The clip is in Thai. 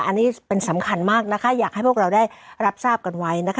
อันนี้เป็นสำคัญมากนะคะอยากให้พวกเราได้รับทราบกันไว้นะคะ